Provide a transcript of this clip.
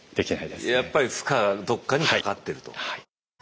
やっぱり負荷がどっかにかかってると。